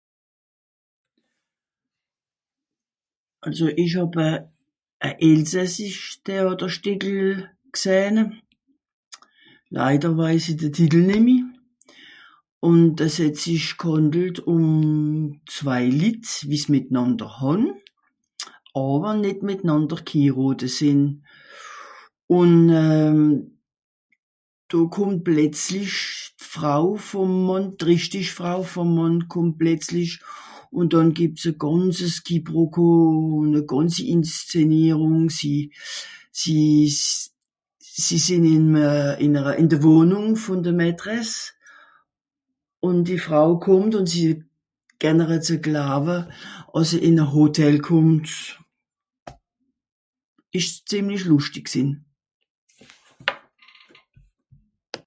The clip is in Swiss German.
Àlso ìch hàb e... e elsassisch Téàterstìckel gsehn. Leider weis i de Titel nemmi. Ùn es het sich ghàndelt ùm zwei Litt wie's mìtnànder hàn, àwer nìt mìtnànder ghirote sìnn. Ùn euh... do kùmmt pletzlich d'Frau vùm Mànn, d'rìchtisch Frau vùm Mànn kùmmt pletzlich ùn dànn gìbbt's e gànzes Quiproquo ùn e gànzi Inszenierùng. Sie... sie... sie sìnn ìme... ìn ere.. ìn de Wohnùng vùn de Maïtresse, ùn die Frau kùmmt ùn sie (...) ze glawe àss sie ìn e Hotel kùmmt. ìsch zìemli lùschtig gsìnn.